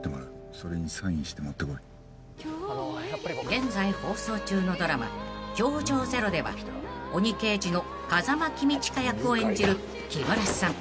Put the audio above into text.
［現在放送中のドラマ『−教場０−』では鬼刑事の風間公親役を演じる木村さん］